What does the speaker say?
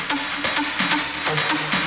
putri tuh ikut gengstong